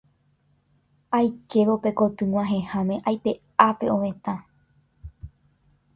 Aikévo pe kotyg̃uahẽháme aipe'a pe ovetã.